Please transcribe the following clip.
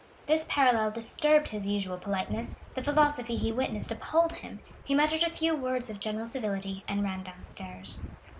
This parallel disturbed his usual politeness, the philosophy he witnessed appalled him, he muttered a few words of general civility and ran downstairs.